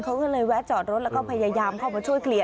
เขาก็เลยแวะจอดรถแล้วก็พยายามเข้ามาช่วยเคลียร์